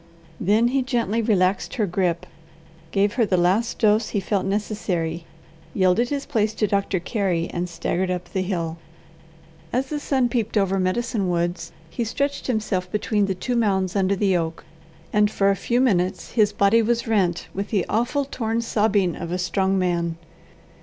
Then he gently relaxed her grip, gave her the last dose he felt necessary, yielded his place to Doctor Carey and staggered up the hill. As the sun peeped over Medicine Woods he stretched himself between the two mounds under the oak, and for a few minutes his body was rent with the awful, torn sobbing of a strong man.